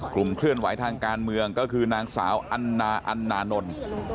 กลุ่มเคลื่อนไหวทางการเมืองก็คือนางสาวอันนาอันนานนท์